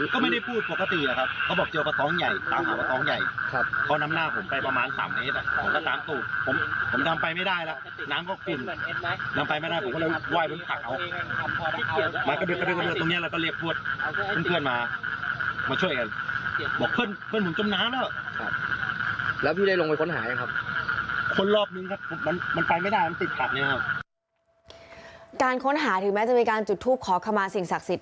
การค้นหาถึงแม้จะมีการจุดทูปขอขมาสิ่งศักดิ์สิทธิ